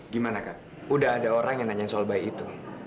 gimana kak udah ada orang yang nanyain soal bayi itu